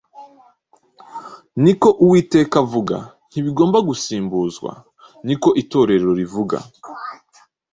Niko Uwiteka avuga” ntibigomba gusimbuzwa “Niko Itorero rivuga